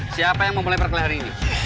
siapa yang memulai berkelahi hari ini